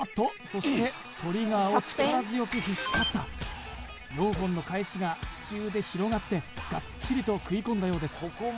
そしてトリガーを力強く引っ張った４本の返しが地中で広がってガッチリと食い込んだようです